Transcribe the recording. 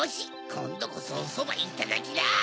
こんどこそおそばいただきだ！